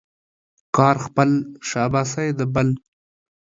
کار خپل ، شاباسي د بل.